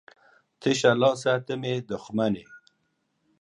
ـ تشه لاسه ته مې دښمن یې.